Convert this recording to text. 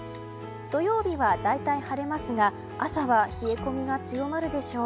土曜日は大体晴れますが朝は冷え込みが強まるでしょう。